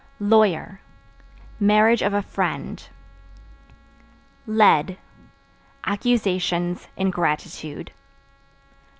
Lawyer Marriage of a friend. Lead Accusations, ingratitude.